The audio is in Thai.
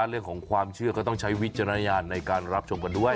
เรื่องของความเชื่อก็ต้องใช้วิจารณญาณในการรับชมกันด้วย